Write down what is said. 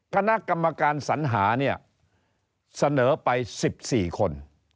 คณะกรรมการสัญหาเนี่ยเสนอไป๑๔คน